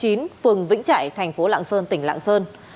tỉnh đồng sơn phố vĩnh trại thành phố lạng sơn tỉnh lạng sơn